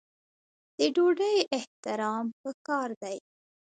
د ډوډۍ احترام پکار دی.